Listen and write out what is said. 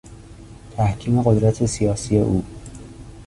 تحکیم قدرت سیاسی او